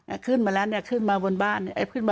อารขึ้นมาแล้วเนี่ยขึ้นมาบนบ้าน